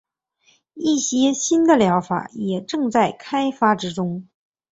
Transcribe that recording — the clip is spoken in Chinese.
一些新的疗法也正在开发之中。